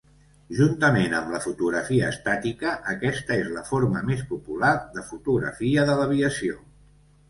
Juntament amb la fotografia estàtica, aquesta és la forma més popular de fotografia de l'aviació.